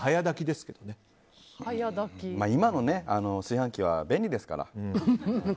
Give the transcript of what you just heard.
今の炊飯器は便利ですから。